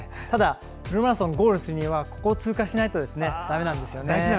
ただ、フルマラソンをゴールするにはここを通過しないとだめなんです。